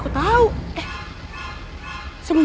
maka kita harus pergi irmi